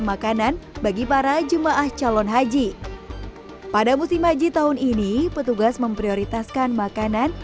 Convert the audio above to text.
makanan bagi para jemaah calon haji pada musim haji tahun ini petugas memprioritaskan makanan